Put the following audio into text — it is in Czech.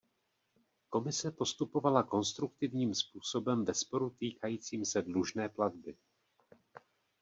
Komise postupovala konstruktivním způsobem ve sporu týkajícím se dlužné platby.